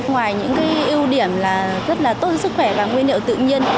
ngoài những cái ưu điểm là rất là tốt sức khỏe và nguyên liệu tự nhiên